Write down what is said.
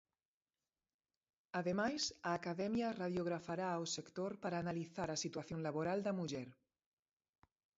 Ademais, a academia radiografará o sector para analizar a situación laboral da muller.